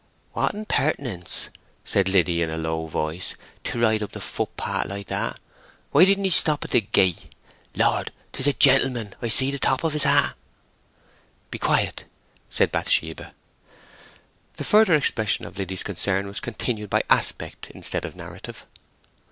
"What impertinence!" said Liddy, in a low voice. "To ride up the footpath like that! Why didn't he stop at the gate? Lord! 'Tis a gentleman! I see the top of his hat." "Be quiet!" said Bathsheba. The further expression of Liddy's concern was continued by aspect instead of narrative.